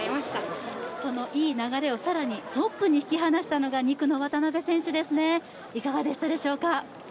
そのいい流れを更にトップに引き離したのが２区の渡邊選手ですね、いかがでしたでしょうか。